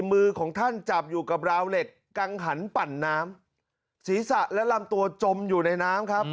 มือของท่านจับอยู่กับราวเหล็กกังหันปั่นน้ำศีรษะและลำตัวจมอยู่ในน้ำครับ